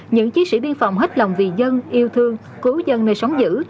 những chiến sĩ biên phòng hết lòng vì dân yêu thương cứu dân nơi sống giữ